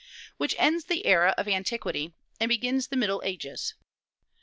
which ends the era of "Antiquity" and begins the "Middle Ages."